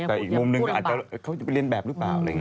แต่อีกมุมนึงคือเขาจะไปเลี่ยนแบบรึเปล่า